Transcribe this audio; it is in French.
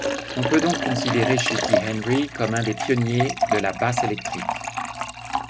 On peut donc considérer Shifty Henry comme un des pionniers de la basse électrique.